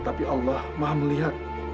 tapi allah maha melihat